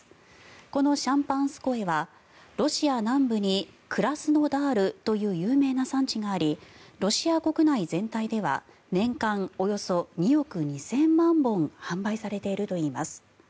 このシャンパンスコエはロシア南部にクラスノダールという有名な産地がありロシア国内全体では年間およそ２億２０００万本販売されているといいます。